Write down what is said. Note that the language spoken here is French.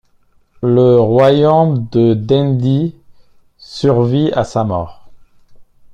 Le royaume de Dendi survit à sa mort.